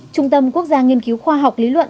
trung tâm quốc gia nghiên cứu khoa học lý luận